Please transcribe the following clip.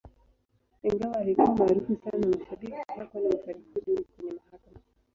Ingawa alikuwa maarufu sana na mashabiki, hakuwa na mafanikio duni kwenye mahakama.